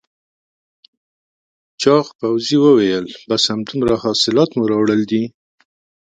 چاغ پوځي وویل بس همدومره حاصلات مو راوړل دي؟